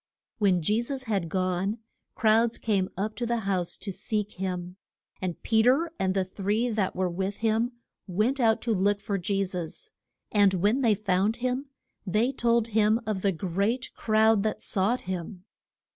When Je sus had gone, crowds came up to the house to seek him. And Pe ter, and the three that were with him, went out to look for Je sus. And when they found him they told him of the great crowd that sought him.